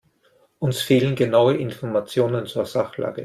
Uns fehlen genaue Informationen zur Sachlage.